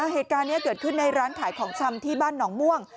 เหตุการณ์นี้เกิดขึ้นในร้านขายของชำที่บ้านหนองม่วง